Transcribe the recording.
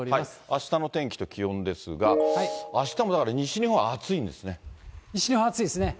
あしたの天気と気温ですが、あしたもだから、西日本は暑いん西日本暑いですね。